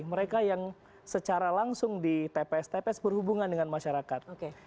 mereka yang secara langsung di tps tps berhubungan dengan masyarakat